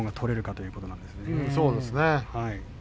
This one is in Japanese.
そうなんですね。